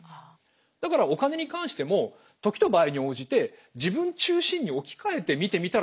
だからお金に関しても時と場合に応じて自分中心に置き換えて見てみたらどうなんじゃないかなと。